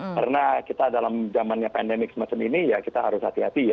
karena kita dalam zamannya pandemi semacam ini ya kita harus hati hati ya